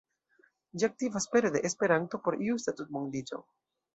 Ĝi aktivas pere de Esperanto por justa tutmondiĝo.